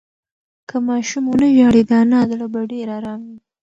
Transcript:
که ماشوم ونه ژاړي، د انا زړه به ډېر ارام وي.